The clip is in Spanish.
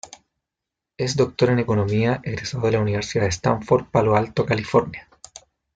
Es doctor en economía, egresado de la Universidad de Stanford, Palo Alto, California.